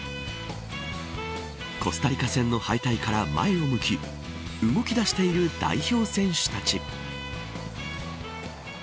コスタリカ戦の敗退から前を向き動きだしている代表選手たち。